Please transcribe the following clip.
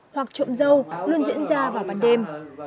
hoặc trộm dâu luôn diễn ra vào bàn đêm